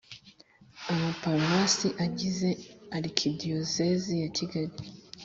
amaparuwasi agize Arikidiyosezi ya Kigali